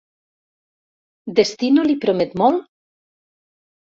Destino li promet molt?